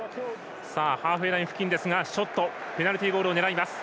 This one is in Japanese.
ハーフウェーライン付近ですがショットペナルティーゴールを狙います。